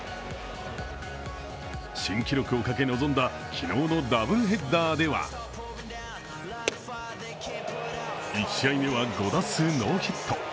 新記録をかけ臨んだ昨日のダブルヘッダーでは１試合目は５打数ノーヒット。